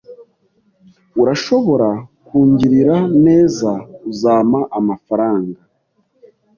Urashobora kungirira neza? Uzampa amafaranga?